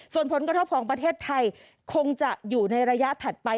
ส่วนผลกระทบของประเทศไทยคงจะอยู่ในระยะถัดไป